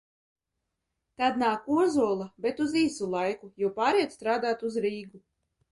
Tad nāk Ozola, bet uz īsu laiku, jo pāriet strādāt uz Rīgu.